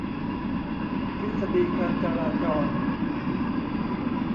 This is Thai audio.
ทฤษฎีการจราจร